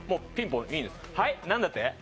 何だって？